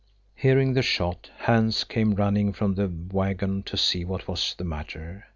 Hearing the shot Hans came running from the waggon to see what was the matter.